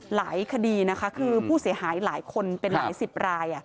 คดีนะคะคือผู้เสียหายหลายคนเป็นหลายสิบราย